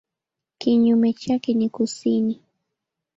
Kinyume chake ni kusini.